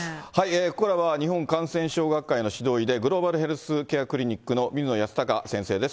ここからは日本感染症学会の指導医で、グローバルヘルスケアクリニックの水野泰孝先生です。